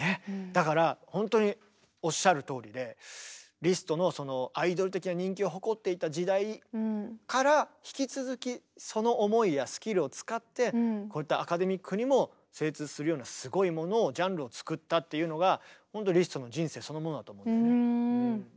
だから本当におっしゃるとおりでリストのアイドル的な人気を誇っていた時代から引き続きその思いやスキルを使ってこういったアカデミックにも精通するようなすごいものをジャンルを作ったっていうのが本当リストの人生そのものだと思うんだよね。